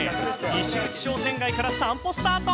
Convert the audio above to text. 西口商店街から散歩スタート。